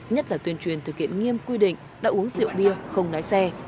nhất là tuyên truyền thực hiện nghiêm quy định đã uống rượu bia không lái xe